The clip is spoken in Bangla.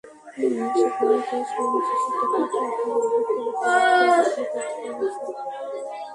সেখানে গিয়ে শোনেন, শিশুটিকে ঢাকা মেডিকেল কলেজ হাসপাতালে ভর্তি করা হয়েছে।